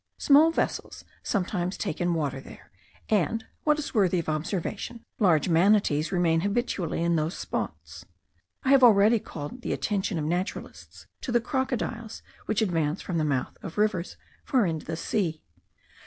Small vessels sometimes take in water there; and, what is well worthy of observation, large manatees remain habitually in those spots. I have already called the attention of naturalists to the crocodiles which advance from the mouth of rivers far into the sea.